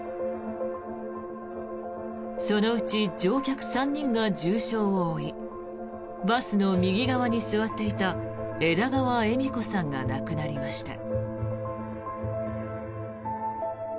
そのうち乗客３人が重傷を負いバスの右側に座っていた枝川恵美子さんが亡くなりました。